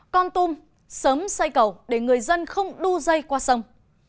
con tum sớm xây cầu để người dân không đu dây qua sông